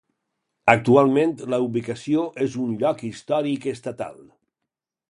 Actualment, la ubicació és un lloc històric estatal.